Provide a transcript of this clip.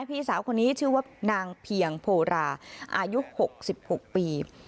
พี่สาวคนนี้ชื่อว่านางเพียงโพราอายุ๖๖ปี